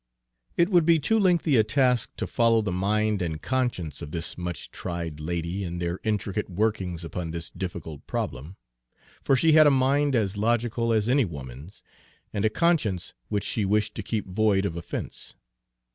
It would be too lengthy a task to follow the mind and conscience of this much tried lady in their intricate workings upon this difficult problem; for she had a mind as logical as any woman's, and a conscience which she wished to keep void of offense.